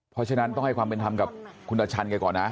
เพราะฉะนั้นต้องให้ความเป็นธรรมกับคุณตาชันแกก่อนนะ